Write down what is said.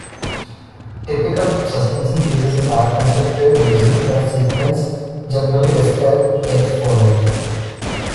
Typical suspension bridges are constructed using a sequence generally described as follows.